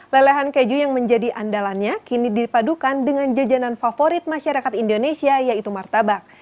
lelehan keju yang menjadi andalannya kini dipadukan dengan jajanan favorit masyarakat indonesia yaitu martabak